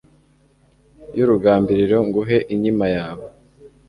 y' urugambiriro nguhe inkima yawe